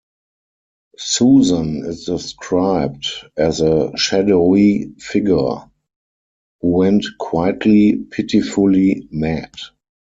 Susan is described as a "shadowy figure" who went "quietly, pitifully, mad".